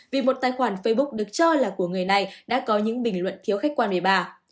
vì một tài khoản facebook được cho là của người này đã có những bình luận thiếu khách quan với bà